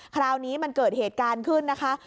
คราวนี้มันเกิดเหตุการณ์ขึ้นนะคะ